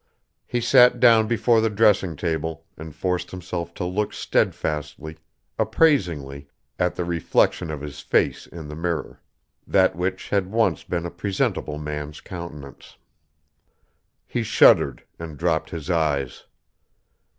He sat down before the dressing table and forced himself to look steadfastly, appraisingly, at the reflection of his face in the mirror that which had once been a presentable man's countenance. He shuddered and dropped his eyes.